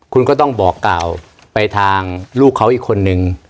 คุณก็ต้องบอกกล่าวไปทางลูกเขาอีกคนนึง